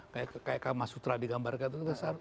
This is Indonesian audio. kayak kamasutra digambarkan itu kan saru